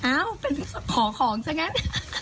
อ้าวเป็นขอของจริง